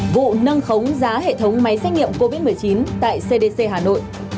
vụ nâng khống giá hệ thống máy xét nghiệm covid một mươi chín tại cdc hà nội